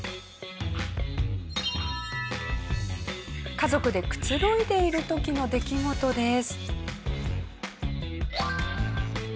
家族でくつろいでいる時の出来事です。